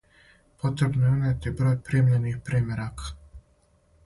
Потребно је унети број примљених примерака!